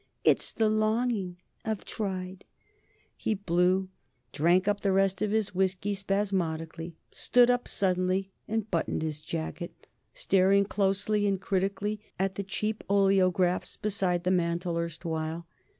It's the longing.... I've tried " He blew, drank up the rest of his whisky spasmodically, stood up suddenly and buttoned his jacket, staring closely and critically at the cheap oleographs beside the mantel meanwhile.